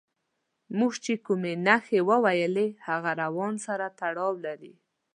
موږ چې کومې نښې وویلې هغه روان سره تړاو لري.